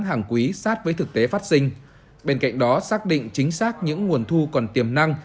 hàng quý sát với thực tế phát sinh bên cạnh đó xác định chính xác những nguồn thu còn tiềm năng